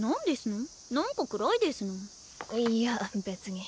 いや別に。